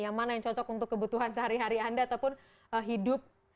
yang mana yang cocok untuk kebutuhan sehari hari anda ataupun hidup